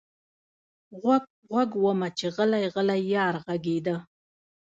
غوږ، غوږ ومه چې غلـــــــی، غلـــی یار غږېده